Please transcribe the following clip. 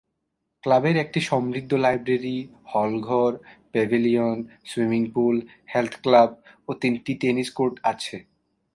ক্লাবের একটি সমৃদ্ধ লাইব্রেরি, হলঘর, পেভিলিয়ন, সুইমিংপুল, হেলথক্লাব ও তিনটি টেনিস কোর্ট আছে।